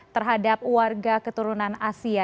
terhadap warga keturunan asia